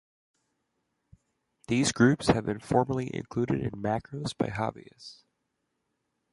These groups have been formerly included in macros by hobbyists.